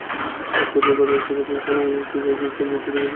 একপর্যায়ে বাড়ির আশপাশের শিশুদের স্কুলে যেতে দেখে তাদের সঙ্গে যেতে চাইত।